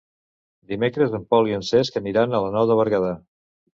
Dimecres en Pol i en Cesc aniran a la Nou de Berguedà.